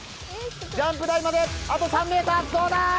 ジャンプ台まであと３ｍ。